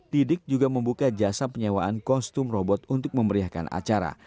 didik juga membuka jasa penyewaan kostum robot untuk memeriahkan acara